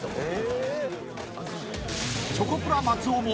［チョコプラ松尾も］